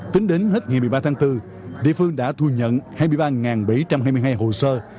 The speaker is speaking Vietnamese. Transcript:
tính đến hết ngày một mươi ba tháng bốn địa phương đã thu nhận hai mươi ba bảy trăm hai mươi hai hồ sơ